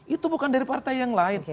itu bukan dari partai yang lain